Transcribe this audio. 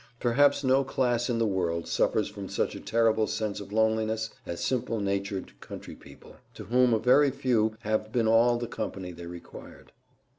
Perhaps no class in the world suffers from such a terrible sense of loneliness as simple natured country people, to whom a very few have been all the company they required.